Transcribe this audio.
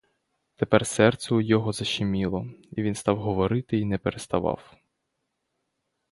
Тепер серце у його защеміло, і він став говорити й не переставав.